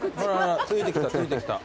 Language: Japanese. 付いてきた付いてきた。